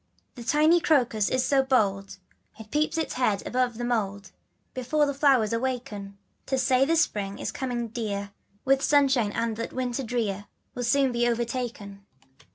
HE tiny crocus is so bold It peeps its head above the mould, Before the flowers awaken, To say that spring is coming, dear, With sunshine and that winter drear Will soon be overtaken.